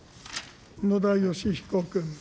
野田佳彦君。